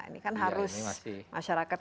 ini kan harus masyarakat